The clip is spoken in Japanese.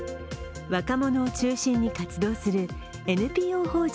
若者を中心に活動するＮＰＯ法人